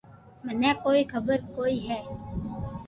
منن ڪوئي خبر ڪوئي ھي